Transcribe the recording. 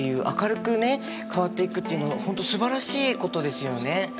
明るくね変わっていくっていうのは本当すばらしいことですよね。